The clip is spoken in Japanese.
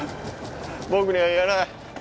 僕には言えない。